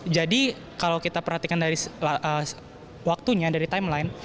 jadi kalau kita perhatikan dari waktunya dari timeline